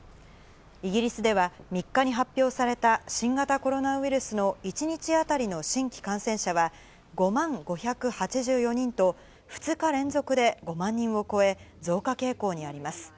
イギリスでは３日に発表された新型コロナウイルスの１日当たりの新規感染者は５万５８４人と２日連続で５万人を超え、増加傾向にあります。